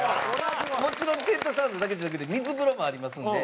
もちろんテントサウナだけじゃなくて水風呂もありますので。